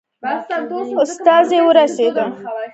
استازی ورسېدی.